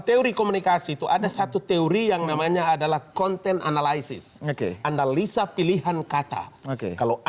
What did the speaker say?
teori komunikasi itu ada satu teori yang namanya adalah content analysis anda lisa pilihan kata oke